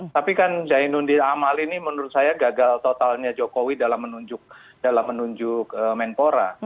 tapi kan zainuddin amal ini menurut saya gagal totalnya jokowi dalam menunjuk menpora